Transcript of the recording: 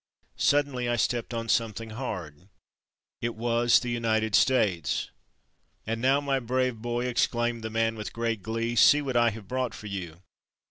Suddenly I stepped on something hard. It was the United States. "And now, my brave boy," exclaimed the man with great glee, "see what I have brought for you."